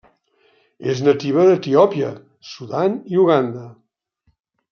És nativa d'Etiòpia, Sudan i Uganda.